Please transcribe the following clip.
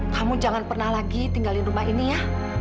kamu jangan pernah lagi tinggalin rumah ini ya